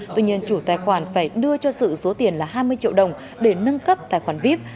tuy nhiên chủ tài khoản phải đưa cho sự số tiền là hai mươi triệu đồng để nâng cấp tài khoản vip